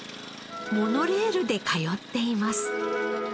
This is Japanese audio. モノレールで通っています。